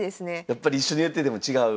やっぱり一緒にやってても違う？